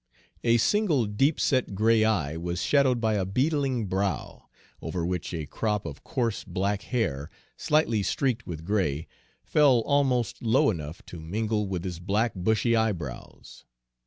A single deep set gray eye was shadowed by a beetling brow, over which a crop of coarse black hair, slightly streaked with gray, fell almost low enough to mingle with his black, bushy eyebrows.